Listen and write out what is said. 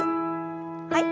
はい。